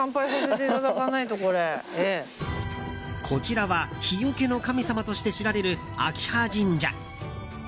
こちらは火よけの神様として知られる秋葉神社。